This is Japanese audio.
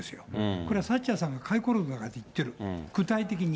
これはサッチャーさんが回顧録の中で言ってる、具体的に。